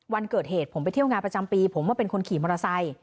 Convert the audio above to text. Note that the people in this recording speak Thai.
วันเกิดเหตุผมไปเที่ยวงานประจำปีผมมาเป็นคนขี่มอเตอร์ไซค์